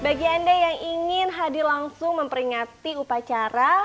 bagi anda yang ingin hadir langsung memperingati upacara